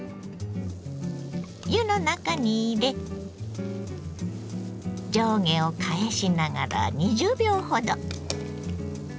湯の中に入れ上下を返しながら２０秒ほど。